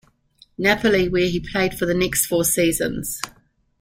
Napoli where he played for the next four seasons.